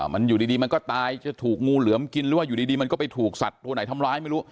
มันอยู่ดีมันก็ตายจะถูกงูเหลือมกินหรือว่าอยู่ดีมันก็ไปถูกสัตว์ตัวไหนทำร้ายไม่รู้